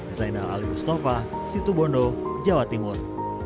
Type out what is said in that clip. desain ala ali mustafa situbondo jawa timur